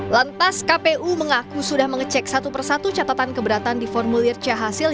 lantas kpu mengaku sudah mengecek satu persatu catatan keberatan di formulir c hasil